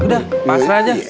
udah pasrah aja